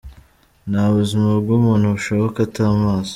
Nta buzima bw'umuntu bushoboka ata mazi.